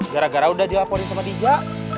gara gara udah dilaporin sama dija